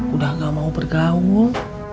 udah gak mau bergaul